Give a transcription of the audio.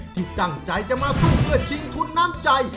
ที่ตั้งใจจะมาสู้เพื่อชิงทุนน้ำใจ